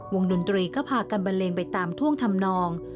ดนตรีก็พากันบันเลงไปตามท่วงทำนอง